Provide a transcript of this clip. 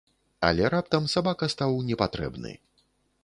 Але раптам сабака стаў непатрэбны.